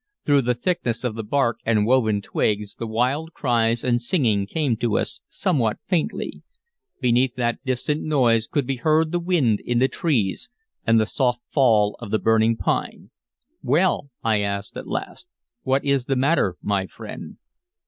Through the thickness of the bark and woven twigs the wild cries and singing came to us somewhat faintly; beneath that distant noise could be heard the wind in the trees and the soft fall of the burning pine. "Well!" I asked at last. "What is the matter, my friend?"